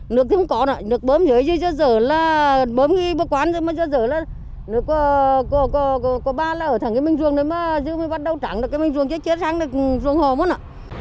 nước thì không có nè nước bơm dưới dưới dơ dở là bơm đi bơm quán dưới dơ dở là nước có ba là ở thẳng cái mình ruồng đấy mà dưới mình bắt đầu trắng rồi cái mình ruồng chết chết răng rồi ruồng hồ mất nè